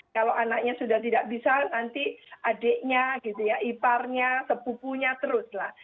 kalau anaknya sudah tidak bisa nanti adiknya gitu ya iparnya sepupunya terus lah